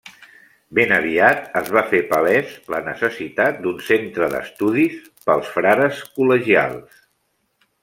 Ben aviat es va fer palès la necessitat d'un centre d'estudis pels frares col·legials.